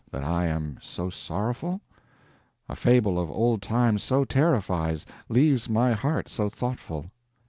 That I am so sorrowful? A fable of old Times so terrifies, Leaves my heart so thoughtful.